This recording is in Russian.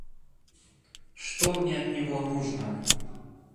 Что мне от него нужно!